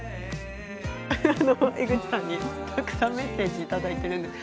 江口さんに、たくさんメッセージをいただいています。